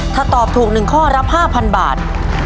ถ้าตอบถูกหนึ่งข้อรับ๕๐๐๐บาท